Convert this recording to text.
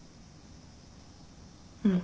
うん。